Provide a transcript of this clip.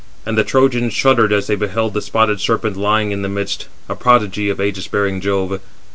And the Trojans shuddered as they beheld the spotted serpent lying in the midst, a prodigy of ægis bearing Jove.